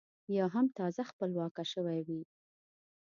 یا هم تازه خپلواکه شوې وي.